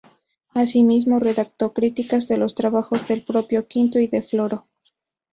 Asimismo, redactó críticas de los trabajos del propio Quinto y de Floro.